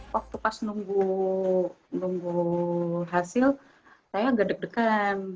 waktu pas nunggu hasil saya agak deg degan